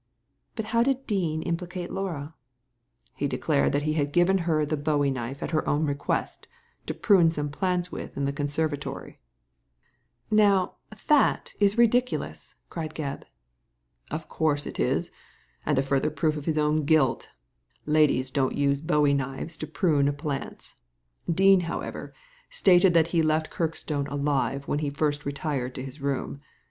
" But how did Dean implicate Laura ?" •He declared that he had given her the bowie knife at her own request to prune some plants with in the conservatory." Digitized by Google 70 THE LADY FROM NOWHERE " Now, that is ridiculous !" cried Gebb. " Of course it is ; and a further proof of his own guilt Ladies don't use bowie knives to prune plants. Dean, however, stated that he left Kirkstone alive when he first retired to his room.